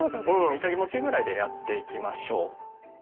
イタ気持ちいいぐらいでやっていきましょう。